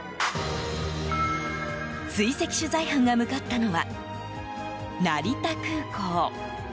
追跡取材班が向かったのは成田空港。